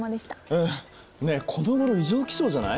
うんねえこのごろ異常気象じゃない？